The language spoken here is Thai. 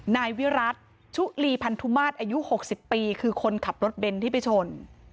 นายวิรัติชุลีพันธุมาตรอายุ๖๐ปีคือคนขับรถเบนท์ที่ไปชน